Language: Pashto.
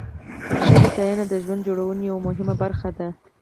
ښه هوساینه د ژوند جوړونې یوه مهمه برخه ده.